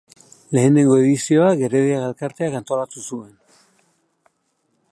Lehenengo edizioa Gerediaga Elkarteak antolatu zuen.